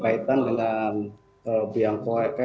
ya terima kasih mbak nana